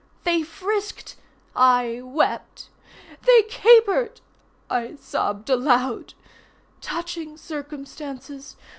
They frisked—I wept. They capered—I sobbed aloud. Touching circumstances!